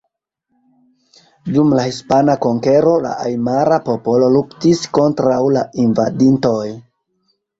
Dum la hispana konkero, la ajmara popolo luktis kontraŭ la invadintoj.